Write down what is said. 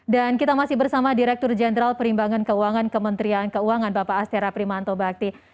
dan kita masih bersama direktur jenderal perimbangan keuangan kementerian keuangan bapak astera primanto bakti